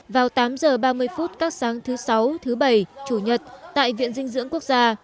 vào tám h ba mươi phút các sáng thứ sáu thứ bảy chủ nhật tại viện dinh dưỡng quốc gia